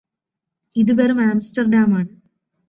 ഇത് വെറും ആംസ്റ്റർഡാമാണ്